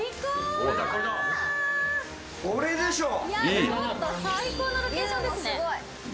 これでしょ。